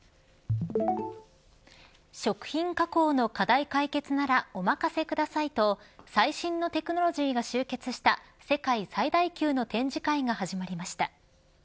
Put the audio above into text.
食品加工の課題解決ならおまかせくださいと最新のテクノロジーが集結した世界最大級の展示会が始まりました。